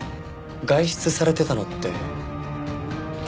外出されてたのって。